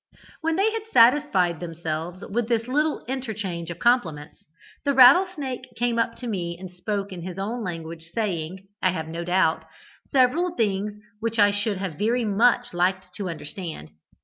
"When they had satisfied themselves with this little interchange of compliments, 'the Rattle snake' came up to me and spoke in his own language, saying, I have no doubt, several things which I should have very much liked to understand.